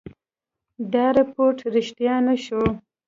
دا رپوټ ریشتیا نه شو.